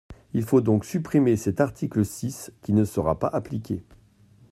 Il faut donc supprimer cet article six qui ne sera pas appliqué.